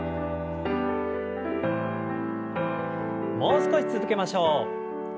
もう少し続けましょう。